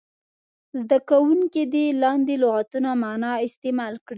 زده کوونکي دې لاندې لغتونه معنا او استعمال کړي.